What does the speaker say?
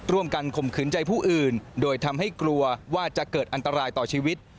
ข่มขืนใจผู้อื่นโดยทำให้กลัวว่าจะเกิดอันตรายต่อชีวิต